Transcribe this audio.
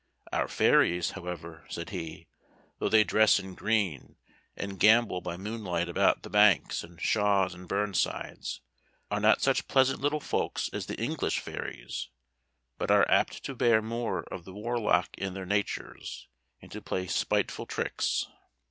"Our fairies, however," said he, "though they dress in green, and gambol by moonlight about the banks, and shaws, and burnsides, are not such pleasant little folks as the English fairies, but are apt to bear more of the warlock in their natures, and to play spiteful tricks.